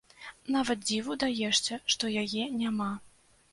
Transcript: Нават дзіву даешся, што яе няма.